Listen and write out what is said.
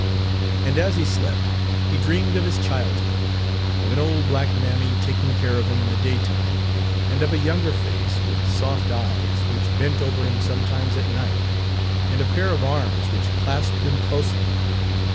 And as he slept, he dreamed of his childhood; of an old black mammy taking care of him in the daytime, and of a younger face, with soft eyes, which bent over him sometimes at night, and a pair of arms which clasped him closely.